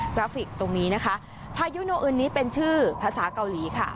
ราฟิกตรงนี้นะคะพายุโนอึนนี้เป็นชื่อภาษาเกาหลีค่ะ